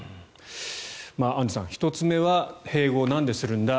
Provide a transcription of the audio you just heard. アンジュさん１つ目は併合、なんでするんだ